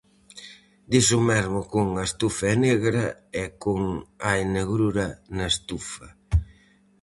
Dise o mesmo con "a estufa é negra" e con "hai negrura na estufa".